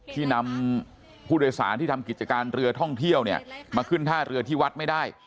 ที่นำผู้โดยสารที่ทำกิจการเรือท่องเที่ยวเนี่ยมาขึ้นท่าเรือที่วัดไม่ได้